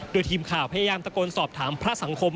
โดยทีมข่าวพยายามตะโกนสอบถามพระสังคม